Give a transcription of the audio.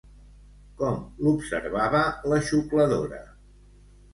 Com l'observava la Xucladora?